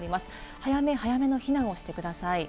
早め早めの避難をしてください。